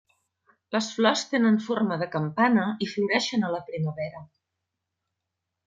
Les flors tenen forma de campana i floreixen a la primavera.